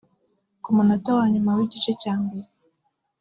Ku munota wa nyuma w’igice cya mbere